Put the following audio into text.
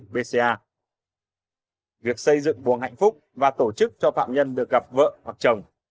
vì vậy việc xây dựng buồng hạnh phúc và tổ chức cho phạm nhân được gặp vợ hoặc chồng